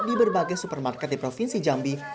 di berbagai supermarket di provinsi jambi